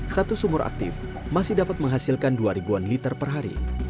satu sumur aktif masih dapat menghasilkan dua ribu an liter per hari